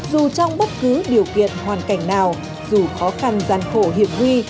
dù trong bất cứ điều kiện hoàn cảnh nào dù khó khăn gian khổ hiệp huy